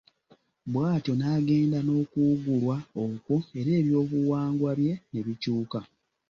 Bwatyo nagenda nokuwugulwa okwo era ebyobuwangwa bye ne bikyuka.